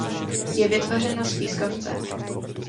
Je vytvořena z pískovce.